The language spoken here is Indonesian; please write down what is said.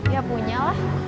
ya punya lah